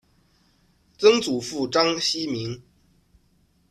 曾祖父章希明。